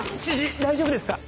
大丈夫ですか？